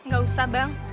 gak usah bang